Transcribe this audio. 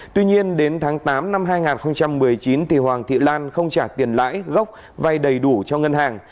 tuy nhiên đến tháng tám năm hai nghìn một mươi chín hoàng thị lan không trả tiền lãi gốc vay đầy đủ cho ngân hàng